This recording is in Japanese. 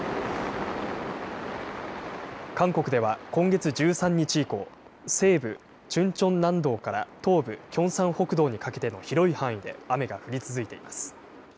韓国では今月１３日以降、西部チュンチョン南道から東部キョンサン北道にかけての広い範囲で雨が降り続いています。